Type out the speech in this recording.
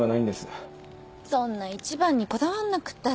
そんな一番にこだわんなくったって。